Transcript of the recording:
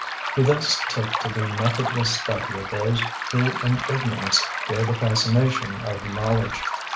He thus took to the methodless study of those who in ignorance feel the fascination of knowledge.